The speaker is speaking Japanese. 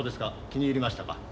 気に入りましたか？